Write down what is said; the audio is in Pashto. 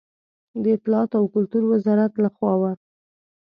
د اطلاعاتو او کلتور وزارت له خوا و.